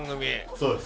そうです。